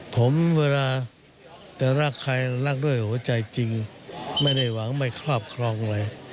ผมเวลาจะรักใครรักด้วยหัวใจจริงไม่ได้หวังไม่ครอบครองอะไร